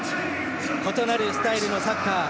異なるスタイルのサッカー。